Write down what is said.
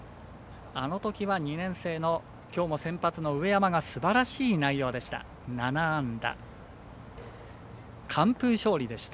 あのときは２年生のきょうも先発の上山がすばらしい内容でした。